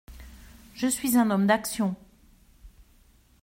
«Je suis un homme d’action.